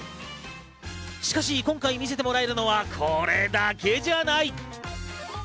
しかし今回見せてもらえるのは、これだけじゃない。